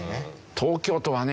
東京都はね